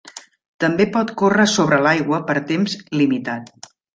També pot córrer sobre l'aigua per temps limitat.